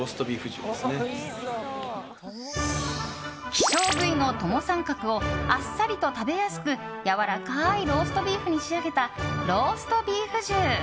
希少部位のトモサンカクをあっさりと食べやすくやわらかいローストビーフに仕上げたローストビーフ重！